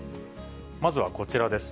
まずはこちらです。